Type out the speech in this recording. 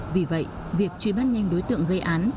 vì vậy việc truy bắt nhanh đối tượng gây án